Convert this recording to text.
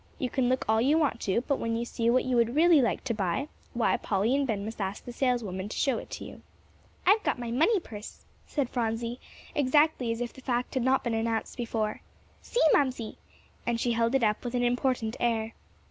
You can look all you want to; but when you see what you would really like to buy, why, Polly and Ben must ask the saleswoman to show it to you." "I've got my money purse," said Phronsie, exactly as if the fact had not been announced before; "see, Mamsie," and she held it up with an important air.